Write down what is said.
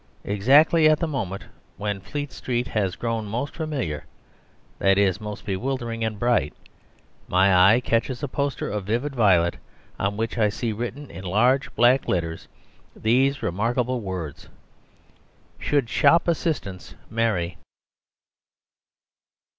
Exactly at the moment when Fleet Street has grown most familiar (that is, most bewildering and bright), my eye catches a poster of vivid violet, on which I see written in large black letters these remarkable words: "Should Shop Assistants Marry?"